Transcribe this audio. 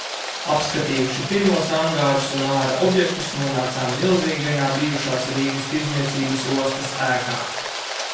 Apskatījuši pirmos angārus un āra objektus, nonācām milzīgajā bijušās Rīgas tirdzniecības ostas ēkā.